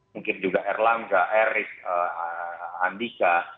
mungkin juga erlangga erik andika